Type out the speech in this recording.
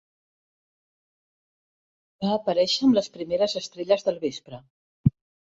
Va aparèixer amb les primeres estrelles del vespre.